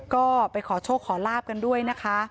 ก็ไปขอโชคขอลาบกันด้วยนะคะ